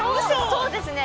◆そうですね。